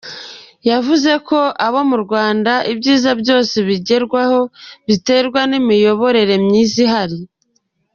Yavuze ko abona mu Rwanda ibyiza byose bigerwaho biterwa n’imiyoborere myiza ihari.